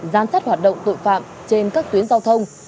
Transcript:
giám sát hoạt động tội phạm trên các tuyến giao thông